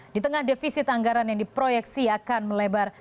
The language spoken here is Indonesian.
di tengah defisit anggaran yang diproyeksi akan melebar